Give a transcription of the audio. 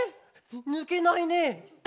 ぬけないねえ！！」